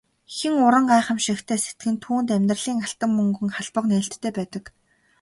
Хэн уран гайхамшигтай сэтгэнэ түүнд амьдралын алтан мөнгөн хаалга нээлттэй байдаг.